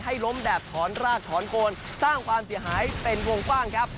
ล้มแบบถอนรากถอนโคนสร้างความเสียหายเป็นวงกว้างครับ